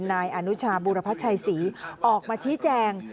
นายอนุชาบูรพัชชัยศรีออกมาชี้แจง